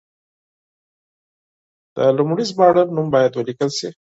د لومړي ژباړن نوم باید ولیکل شي.